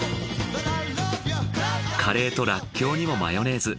カレーとらっきょうにもマヨネーズ。